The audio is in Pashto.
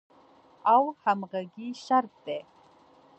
او همغږۍ شرط دی.